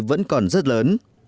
vẫn còn rất lớn